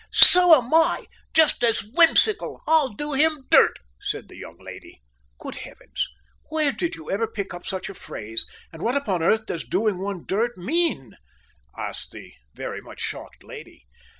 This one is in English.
"So am I! Just as whimsical! I'll do him dirt," said the young lady. "Good heaven! Where did you ever pick up such a phrase, and what upon earth does doing any one 'dirt' mean?" asked the very much shocked lady.